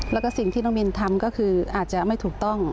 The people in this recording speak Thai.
แล้วก็สิ่งที่น้องมินทำก็คืออาจจะไม่ถูกต้อง